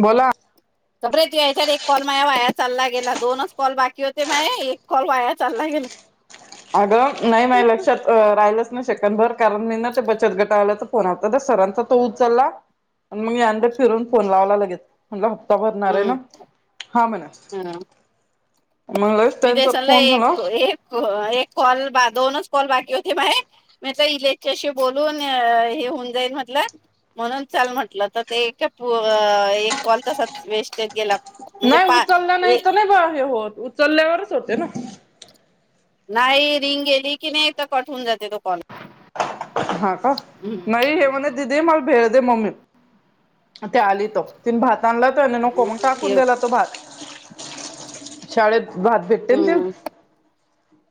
बोला [unintelligible] बरे तू यांयाच्यांत एक कॉल माझ्यां वायां चाललां गेला दोनच कॉल बाकी होते माझं एक कॉल वायां चाललां गेलां अगं नाहीं माझं लक्षांत राहिलंच नाहीं शकन भरं कारणं मी नां ते बचतं गटां आल्यां तरं फोन आंता सरांचा तो उचललां मी आणंदतं फिरूंन फोन लावला लगेचं म्हणटलं हप्ता भरणांर आहे नां हम्म हां हम्म म्हणली मंगलांच मी त्यांच्या देसनला फोन झालां एक एक कॉल दोनचं कॉल बाकी होते माये मी इलेच्यांशी बोलूंन हे होऊंन जाईल म्हटलं म्हणूंन चांल म्हटलं तरं ते एक एक कॉल तसांच वेस्टेत गेलां नाहीं उचलल्यां नाहीं तरं नाहीं बां हे होतं उचलल्यांवरचं होते नां नाहीं रिंग गेली की नाहीं तरं कंटहूण जाते तो फोन हां कां नाहीं हे म्हणतं दिदी मलां भेळ दे मम्मी त्यां आली तरं तिनं भातं आणंला त्यांने नको मंग टाकूंन दिलां तो भातं शाळेंत भांत भेटते नां ते हम्म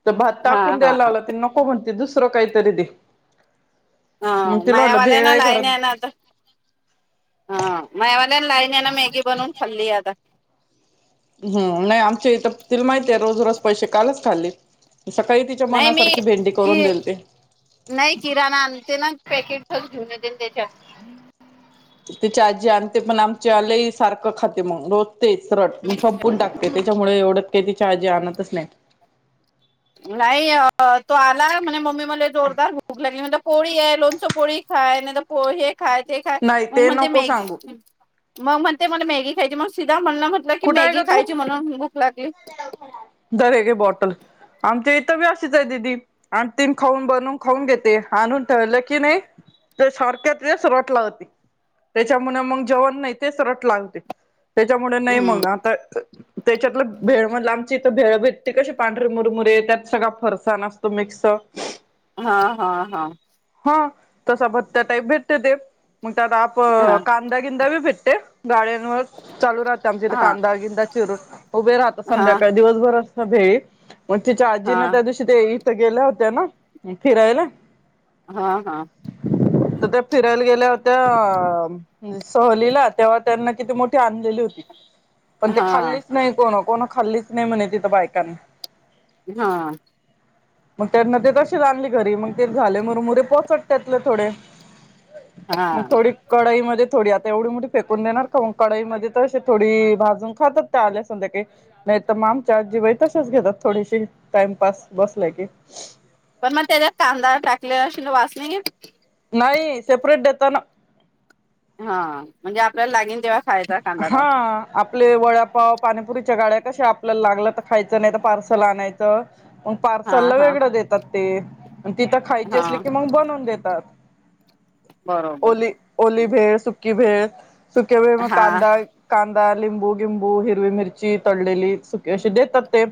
तरं भांत हा टाकूंन हा द्यांयला लागलां नको नको म्हणते दुसरं कांहीतरी दे मग हं तिला वाटलं मायावाल्यां भेळ नां घरात लाईन आहे नां आंता हां मायवाल्यां लाईण्यांन मॅगी बनवूंन खाल्ली आंता हम्मं नाहीं आमच्यां इथं ते माहित आहे रोज रोज पैसे कालंच खाल्ली सकाळीं तिच्यां नाही मनांसारखी भेंडी करूंन देलती नाहीं किराणां आणते नां पॅकेटंच घेऊंन येते नां त्यांच्यात त्यांची आजी आणते पणं आमचे आलेय सारखं खाते मंग रोजं तेचं सरंट मंग संपून टाकते त्यांच्यामुळे एवढंच कांहीं तीची आजी आणतंच नाहीं नाहीं तो आंला म्हणजे मम्मी मध्यें जोरदार भूकं लागली म्हणजे पोळी आहे लोणचं पोळी खांय नाहीं तरं पोहे खांय ते खां नाही मंग ते म्हणते नको मॅगी सांगू मंग म्हणते म्हंण मॅगी खांयची मंग सिंध म्हणलं म्हंण की कुठं मॅगी खांयची म्हणूंन भूकं लागली धरे हे घे बॉटल आमच्यां इथं बी अशीच आहे दिदी आणि ती खाऊंन बनवूंन खाऊंन घेते आंणून ठेरलं की नाहीं ते सारखे तेचं रंट लावते त्यांच्यामुळे मंग जेवणं नाहीं तेचं रंट लागते त्यांच्यामुळे नाहीं हम्म मंग आंता त्यांच्यातले भेळ म्हणलं आमची इथं भेळ भेट्ट कशी पांढरी मुरमुरीे त्यांत सगळां फरसां नं असतो मिक्स हा हा हा. हा तसा भत्त्या टाईप भेटत ते मग त्यात आपण हा का बगींदा बी भेटते गाड्यांवर चालू राह ते आमच्या इथ हा कांदा गिंंदा चिरून उभे राहता हा संध्याकाळ दिवसभर असंत भेळ म तिच्या आजी ना हा त्या दिवशी ते इथं गेल्या होत्या ना फिरायला. हा हा त त्या फिरायला गेल्या होत्या सहलीला तेव्हा त्यांना किती मोठी आणलेली होती. पण ते हा खाल्लीच नाय कोण कोण खाल्लीच नाय म्हणे तिथं बायकांनी हा. म त्यांन ते तशीचं आणंली घरी मग ते झाले मूर मुरे पोचट त्यातले थोडे [inaudible] मग थोडी कडाईमध्ये थोडी आता एवढी मोठी फेकून देणार का मग कडईमध्ये तसे थोडी भाजून खातात त्या आल्या संध्याकाळी नाय त म आमच्या आजी बाई तशाच घेतात थोडीशी टाइमपास बसल्या की पण मग त्याच्यात कांदा टाकलेला असेन ना वास नाय येत. नाही सेपरेट देता ना. हा म्हणजे आपल्याला लागेन तेव्हा खायचा कांदा हा टाकून आपले वड्यापाव पाणीपुरीच्या गाड्या कश्या आपल्याला लागलं तर खायचं नाय त पार्सल आणायचं. मग हा पार्सलला हा वेगळं देतात ते अनं तिथं खायची असली हा की मग बनवून देतात. बरोबर ओली ओली भेळ सुकी भेळ सुक्या भेळ म हा कांदा कांदा लिंबू गिंबू हिरवी मिरची तळलेली सुकी अशी देतात ते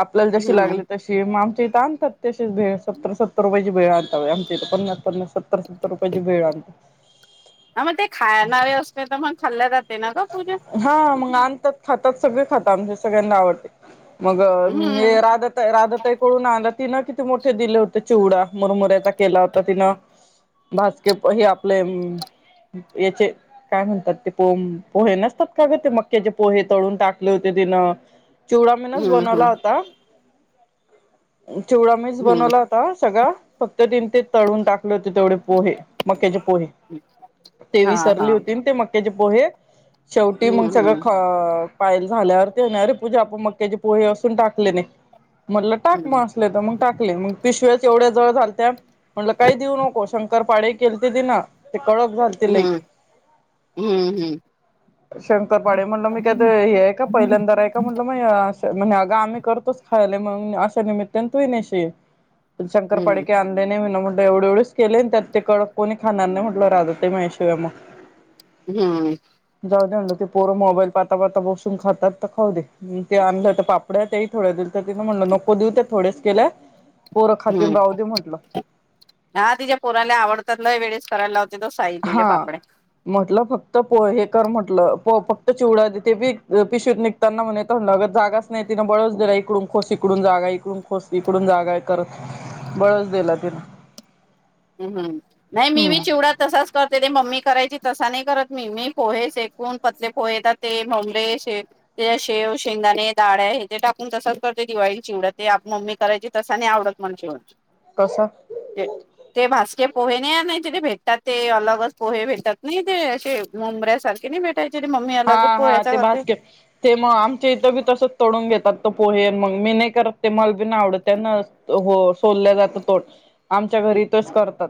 आपल्याला जशी हम्म लागली तशी म आमच्या इथे आणतात तशीच भेळ सत्तर सत्तर रुपयाची भेळ आणता बाई आमच्या इथं पन्नास पन्नास सत्तर सत्तर सत्तर रुपयाची भेळ आणतो. हा म ते खायणारे असले तर मग खाल्ल्या जाते ना ग पूज्या हा मंग आणतात खातात सगळे खातात आमच्यात सगळ्यांना आवडते. मग हम्म नी राधा ता राधा ताई कडून आंणला तिनं किती मोठे दिले होते चिवडा मुरमुऱ्याचा केला होता तिनं. भाजके हे आपले याचे काय म्हणतात ते पो पोहे नसतात का ग ते मक्क्याचे पोहे तळून टाकले होते तिनं चिवडा मीनच हम्म बनवला हम्म होता चिवडा मीच हम्म बनवला ता सगळा फक्त तीन ते तळून टाकले होते तेवढे पोहे मक्याचे पोहे. ते हा हा विसरली होती नं ते मक्याचे पोहे शेवटी हम्म मंग सगळं हम्म ख पायल झाल्यावर ती म्हणे अरे पूजा आपण मक्क्याचे पोहे असून टाकले नाय म्हटलं टाक म त मंग टाकले मंग पिशव्याच एवढ्या जळ झालत्या म्हणलं काही देऊ नको शंकर पाळे केलते तीन ते कळक झाले हम्म हम्म हम्म शंकरपाळे म्हणल मी काय त हम्म हे हाय का पहिल्यांदा राय त म्हटलं मय असं म्हणे अग आम्ही करतोच खायला मंग अशा निमित्ताने तूही नेशील. तुनं शंकरपाळी हम्म क्यान नाय नाय म्ह म्हटलं एवढे एवढेच केले अनं त्यात ते कडकं कोणी खाणार म्हटलं राहूदे ते मायाशिवाय मग हम्म. जाऊ दे म्हणलं ते पोरं मोबाईल पाता पाता बसून खातात तर खाऊ दे ते आणलं त पाप पड्या त्याही थोड्या दिलत्या तिनं म्हटलं नको देऊ ते थोड्याच केल्या पोर खातील हम्म राहूदे म्हटलं हा तिच्या पोराला आवडात ना वेळेस करायला लावते तो साही दिले हा पापडे. म्हटलं फक्त प हे कर म्हटलं फक्त चिवडा ते बी पिशूत निघ. त्यांना म्हणतगत जागाच नाही तिनं बळच दिला इकडून खोस इकडून जागा इकडून खोस इकडून जागा करत. बळस दिला तिला. ह् हम्म नाही मी मी हम्म चिवडा तसाच. तर ते ते मम्मी करायची तसा नाही करत मी ममी पोहे सेकून पतले पोहेेतात ते भमरेश. ते शेव शेंगदााणे दाळ्या हे ते टाकून तसाच करते दिवाळी चिवड्या ते मम्मी करायची तसा नाही आवडत. म्हज कसा. ते भास्के पोहे नाही नाही तिथे भेटतात ते अलगच पोहे भेटतात नाही ते असे मुंबऱ्यासारखे नाही भेटत. मम्मी हा आले की बोल हा आता ते घरात. बास्केट ते मग आमच्या इथं बी तसच तोडून घेतात त पोहे मग मी नाही करत ते मल बी आवडत त्यान. हो सोोलल्या जात तो. आमच्या घरी तस करतात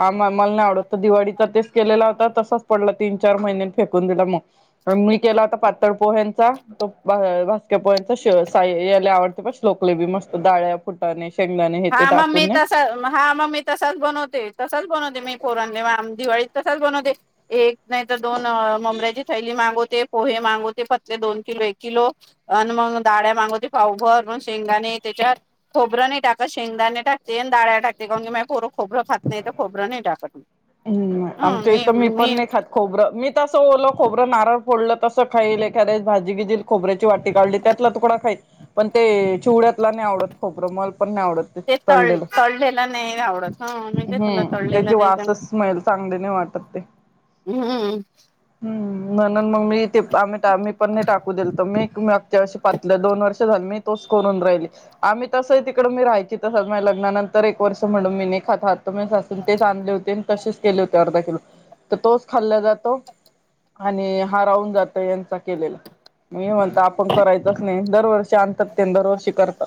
आम मल नाही आवडत तो दिवाळीचा तेच केलेला होता तसाच पडल तीन चार महिन्यांन फेकून दिल मग पण मी केला होता पातळ पोहेंचा. तो भा भाजक्यापर्यंत शेव साई याले आवडते पाह्य श्लोकले बी मस्त डाळ्या फुटाने शेंगदाने हे ते हा मग टाकून मी न. तसा हा मग मी तसाच बनवते तसाच बनवते मी पोरणले दिवाळीत तसाच बनवते. एक नाही तर दोन ममरा्याची थैली मागवते पोहे मागवते पतले दोन किलो एक किलो. आणि मग ाळ्या मागवते पााऊभर मग शेंगाने त्याच्यावर खोबरं नाही टाक. शेंगदाान टकते आणिडाळ्या टकते काण की कर. खोबरं खात नाही तर खोबरं नाही टाकत हम मी मी. खोबं मी तसं बोललो खोरं नारळ फोडलं तसं खाईलखेस भाजी घेल खोबऱ्याची वाटी काढली. त्यातला तुकडा खाईत पण ते चिवड्यातला नाही आवडत खोबरं मल पण नाही आवडत. ते तल तळलेल नाही आवडत. ह मी ते तुला हम्म त्याची तळलेलं नाही वासच स्मेल चांगली नाही वाटत ते. हम्म हम्म म्हणुन मग मी ते आम्ही टा मी पण नाही टाकू देलत मी [unintelligible] तेव्हा अशे पातलं दोन वर्ष झाली मी तोच करून राहिली. आम्ही तसही तिकड मी राहायची तसंच माह्या लग्नानंतर एक वर्ष म्हणून मी नी खातात तर माह्या सासुने तेच आणले होते आणि तसेच केले होते अर्धा किलो, तर तोच खाल्ला जातो. आणि हा रााहून जातो यांचा केलेला. मग हे म्हणता आपण करायचंच नाही दरवर्षी आणतात. तेन दरवर्षी करता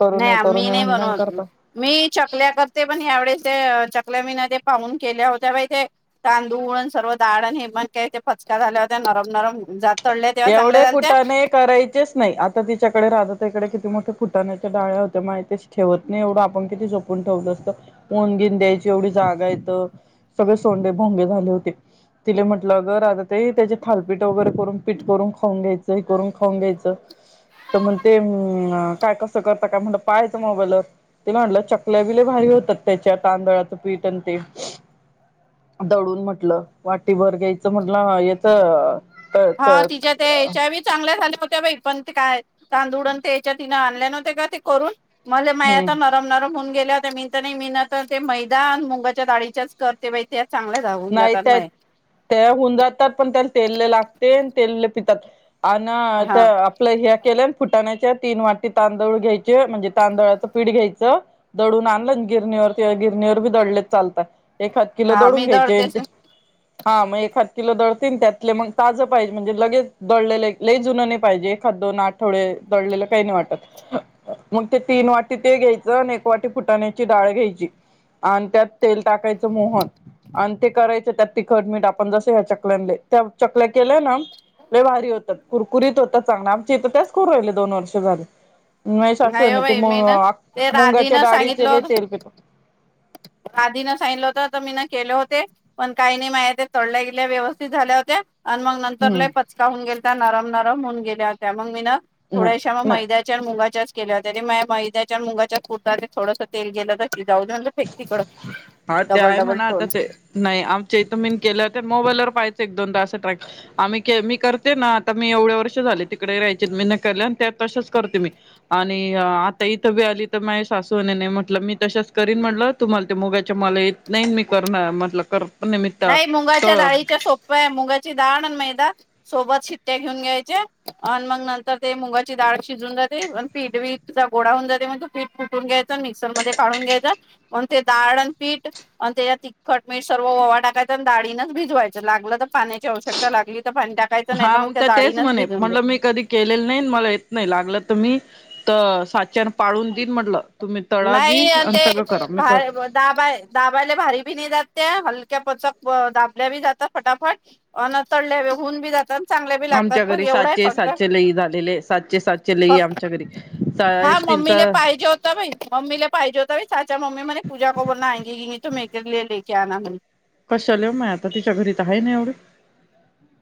करू नाही नये, करू आम्ही नये नाही म्हणता अन बनवत. करता. मी चकल्या करते पण यावळेस ते अ चकल्या मी ना ते पाहून केल्या होत्या बाई ते. तांदूळ अन सर्व दाळ अन हे पण काय ते पचका झाल्या होत्या नरम नरम जात तडले तेव्हा चांगल्या एवढे झालत्या. कुटाणे करायचेच नाही आता तिच्याकडे राहत तकडे किती मोठे फुटण्याच्या डाळ्या होत्या माहितसे ठेवत नाही एवढं आपण किती जपून ठेवलं असतं ओनगिन द्यायची एवढी जागा येतं. सगळे सोंडे भोंगे झाले होते तिले म्हटलं अग राधाताई त्याचे थालपीट वगैरे करून पीठ करून खाऊन घ्यायचं, हे करून खाऊन घ्यायचं. तर म्हणते उम्म अ काय कसं करता काय म्हणल पाहायचं मोबाईलवर. तिला म्हणलं चकल्या बी लई भारी होतात त्याच्या तांदळाचं पीठ आण ते. दळून म्हटलं वाटी भर घ्यायचं म्हटलं याच अ हा तिच्या त्या हेच्या बी चांगल्या झाल्या होत त्या बाई पण ते काय तांदुळ अन ते याच्या तिनं आणल्या नव्हते का ते करून. मले माय हम्म आता नरम नरम होऊन गेल्या होत्या मीन त नाही मीन तर ते मैदा अन मुंगाच्या दाळीच्याच कर ते बाई त्या चांगल्या जावून नाही जातात त्या बाय. त्या होऊन जातात पण त्याल तेल लय लागते न तेल लय पितात आण हा त्या आप आपल्या ह्या केल्या न फुटाण्याच्या तीन वाटी तांदूळ घ्यायचे म्हणजे तांदळाचं पीठ घ्यायचं. दळून आणल अन गिरणीवर ते गिरणीवर बी दळलेत चालतात एखाद किलो हा दळून मी घ्यायचे. [inaudible] हा मग एखाद किलो दळतीन त्यातले मग ताजं पाहिजे म्हणजे लगेच दळलेले लई जुन नाही पाहिजे एखाद दोन आठ थोडे दळलेलं काही नाही वाटत. मग ते तीन वाटी ते घ्यायचं आणि एक वाटी फुटाण्याची डाळ घ्यायची. आण त्यात तेल टाकायचं मोहन. आण ते करायच त्यात तिखट मीठ आपण जसं ह्या चकल्यांत त्या चकल्या केल्या ना लय भारी होतात कुरकुरीत होतात चांगलं आमच्या इथं त्याच करू राहिले दोन वर्ष झाले. मही सासू हे नाही ओ न ते बाई मी मुंग ना अं ते मुंगाच्या राधीनं डाळीचे लई तेल पितो. आदिन सांगितलं होत तर मी न केले होते. पण काही नाही माह्या ते तळल्या गेल्या व्यवस्थित झाल्या होत्या आण मंग. नंतर हम्म लई पचका होवून गेलत्या नरम नरम होऊन गेल्या होत्या मंग मी न नाही थोड्याशा म नाही मैद्या मुगाच्याच केल्या होत्या म मैद्याच्या मुगाच्याच कुरता थोडं तेल गेलं तर जाऊद्या. व्यक्तीकड हा ते डबल आहे डबल म्हणा आता टोल. ते नाही आमच्या इथ मीन केलं तर मोबाईलवर पाहाचं एक दोनदा असं ट्रॅक. आम्ही के [unintelligible] मी करते ना आता मी एवढ्या वर्ष झाले तिकडे रायचे मेहनत केल्या आणि त्यात तसच करते मी. आणि आता इथं बी आली तर माझ्या सासूवने नाही म्हटलं मी तशच करीन म्हटलं तुम्हाला ते मुगाच्या मला येत नाही मी करणार म्हटलं कर. पण निमित्त नाही मुगाच्या तळ दाळीच्या सोप्या आहे मुंगाची दाळ अन मैदा. सोबत शिट्ट्या घेऊन घ्यायचे अन मंग नंतर ते मुगाची डाळ शिजून जाते अन पीठ बी. चा गोडा होऊन जाते मग तू पीठ कुटून घ्यायच अन मिक्सर मध्ये काढून घ्यायचं. मंग ते दाळ अन पीठ आणि तेयात तिखट मीठ सर्व ओवा टाक काय तेन दाळीनच भिजवायच लागलं तर पाण्या ची आवश्यकता लागली तर पाणी टाकायचं नाही तर मंग त्या दाळीनच भिजून घ्याय केलल नाही अन मला येत नाही लागल त मी तर साच्यान पाळून दिन म्हटलं तुम्ही तळा बी आणि सगळं करा मी कर दाबा दाबायला भारी बी नाही जाते हलक्या पचक दाबल्या बी जातात फटाफट. अन तळले व होऊन बी जातात. चांगल्या बी लागतात आमच्या पण घरी एवढं आहे साचे फक्त साचे लई झालेले साचे साचे लई फक्त आमच्या घरी. हा स्टीलचा मम्मीला पाहिजे हो होता म्ममीले पाहिजे होताीचाचा मम्मी मणे पूजा को बोलना आयंगी तो मेरे लिये लेके आना. कशाल माय आता तिच्या घरीत आहे ना एवढं.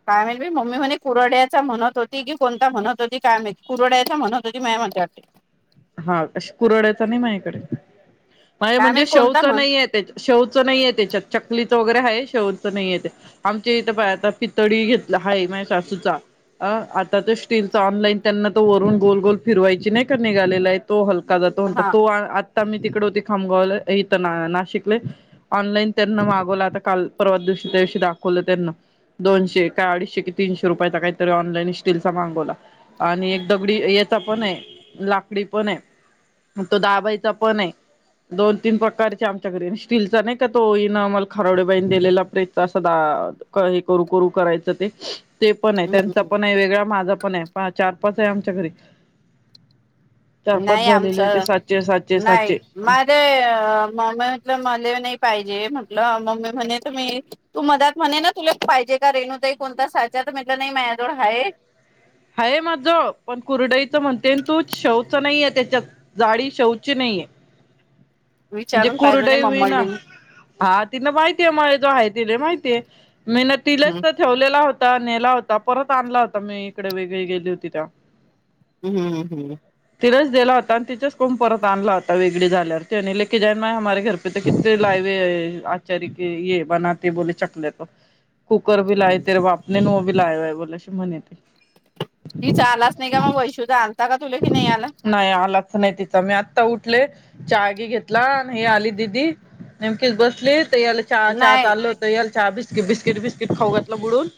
काय माहित मम्मी म्हणे कुरड्याचा म्हणत होती की कोणता म्हणत होती काय माहित कुरड्याचा म्हणत होती म म्हणे वाटते. हा असं कुरडायच नाही माझ्याकडे माझ काय म्हणजे माहित कोणता शेवच म्हण नाही आहेत. शेवचं नाहीये त्याच्यात चकलीचं वगैरे आहे शेवचं नाही आहे त्याच्यात. आमच्या इथं बा आता पितळी घेतला आहे माझ्या सासूचा. अ आता तर स्टीलच ऑनलाईन त्यांना त वरून गोल गोल फिरवायची नाही का नाही. आलेला आहे तो हलका जातो म्हणता हा तो आता मी तिकडे होती खामगावला इथं ना नाशिकले. ऑनलाईन त्यांना मागवलं आता काल परवा दिवशी त्या दिवशी दाखवलं त्यांना. दोनशे का अडीचशे की तीनशे रुपयाचा काहीतरी ऑनलाईन स्टील चा मागवला. आणि एक दगडी याचा पण आहे लाकडी पण आहे. मग तो दाबायचा पण आहे. दोन तीन प्रकारचे आमच्या घरी स्टीलचा नाही का तो इनमल खरवडेबाईण दिलेला प्रे अस द हे करू करू करायचं ते ते पण आहे हम्म त्यांचा हम्म पण आहे वेगळा माझा पण आहे चार पाच आहे आमच्या घरी. चार पाच नाही झालेले ते आमचं सातशे सातशे नाही सातशे माझ म म्ह मले नाही पाहिजे म्हंटलं मम्मी म्हणे तु म्हि तू मधत म्हणे ना तुला पाहिजे का रेणूताई कोणता साच्या तर म्हटलं नाही मयाजवळ हाय. हय माझं पण कुरडईचं म्हणते तू शवच नाहीय त्याच्यात. जाडी शौची नाहीये. [inaudible] म्हणजे विचारून पाहिजे नाही कुरडाई होई ना. मम्मडलेली हा तिला माहितीये मला जो आहे तिला माहितीय मी ना तिलाच हम्म तर ठेवलेला होता नेला होता परत आणला होता मी इकडे वेगळी गेली होती तेव्हा. हम् हम हम् तिलाच दिला होता आणि तिच्याच कोण परत आणला होता वेगळी झाल्यावर ति म्हने लेके जा ना माय हमारे घर पे ता किती लाायवे आचार्य ये बनाते बोले चकले तु [inaudible] कुकर भी ला हम्म तेर बापने ने वो भी लायवाय बोले अस म्हणेते. ति आलाच नाही का मग वैशु चा आलता का? तुले की नाही आला? नाही आलाच नाही तिचा मी आत्ता उठले चागी घेतला आणि हे आली दिदी. नेमकीच बसली त याला चहा चहा नाही चाल होत याल चहा बिस्किट बिस्किट बिस्किट खाऊ घातलं बडून.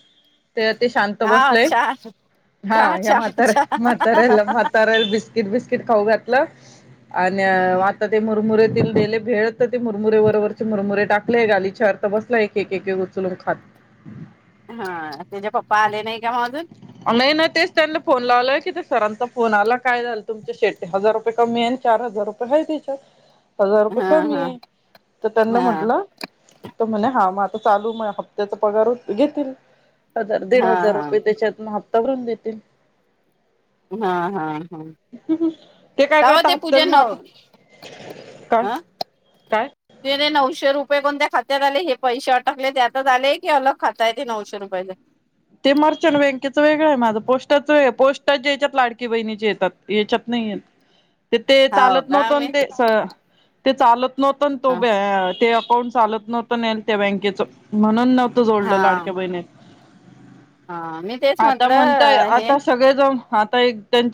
ते आता ते शांत हा बसलेय अच्छा हा अच्छा या अच्छा म्हाताऱ्या अच्छा म्हाताऱ्याला म्हातार्याला बिस्किट बिस्किट खाऊ घातलं. आणि आता ते मुरमुरेतील दिली भेळ तर ते मुरमुरे वरवरचे मुरमुरे टाकले गालीचावर बसला एक एक एक उचलून खात. हा त्याचे पप्पा आले नाही का हो अजून? नाही ना तेच त्यांना फोन लावलय किथ सरांचा कोणाला काय झालंल तुमचे शेट्टे हजार रुपये कमी आहे चार हजार रुपये ह त्यिच्यात. हजार रुपये हा कमी हा आहे तर त्यांना हा म्हटलं तर म्हणे हा मग आता चालू मग हप्त्याचा पगार घेतील‌. हजार दीड हा हजार हा रुपये त्यांच्या तुन हत्तावररून देतील. हा हा हा काय तव करत ते पूजा हप्त्याला मग आपण नववी काय अं काय तेे रे नऊशे रुपये कोणत्या खात्यात आले हे पैसे अटकले त्यातच आले की अलग खातं आहे ते नऊशे रुपयाचं. ते मर्चंट बँकेचं वेगळं आहे, माझं पोस्टाचं वेगळं पोस्टाच्या हेच्यात लाडकी बहिणीचे येतात याच्यात नाही येत. [unintelligible] ते ते हाव चालत का नव्हतं मी ते ते चालत नव्हतं तो हा ते अकाउंट चालत नव्हतं नेलं त्या बँकेच म्हणून नव्हतं जोडलं लाडक्या बहिणी हा म आता म्हणताय आता सगळेजण आता एक त्यां